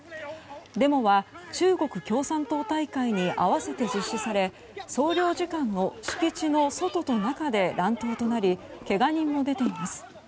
デモは中国共産党大会に合わせて実施され総領事館の敷地の外と中で乱闘となりけが人も出ています。